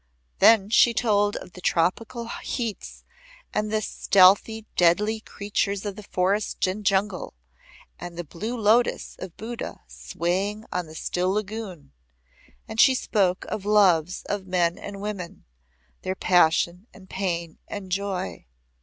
Then she told of the tropical heats and the stealthy deadly creatures of forest and jungle, and the blue lotus of Buddha swaying on the still lagoon, And she spoke of loves of men and women, their passion and pain and joy.